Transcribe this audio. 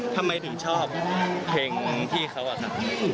ทำไมถึงชอบเพลงพี่เขาอะครับ